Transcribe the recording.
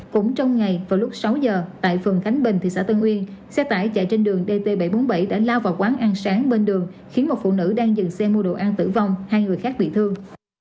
cũng trong ngày vào lúc sáu giờ tại phường khánh bình thị xã tân uyên xe tải chạy trên đường dt bảy trăm bốn mươi bảy đã lao vào quán ăn sáng bên đường khiến một phụ nữ đang dừng xe mua đồ an tử vong hai người khác bị thương